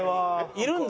いるんだ。